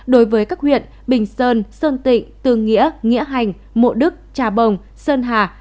đối với các huyện bình sơn sơn tịnh tư nghĩa nghĩa hành mộ đức trà bồng sơn hà